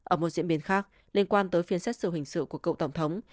ở một diễn biến khác liên quan tới phiên xét sự hình sự của cậu tổng thống